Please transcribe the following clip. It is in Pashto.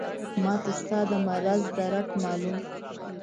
ماته ستا د مرض درک معلوم شو.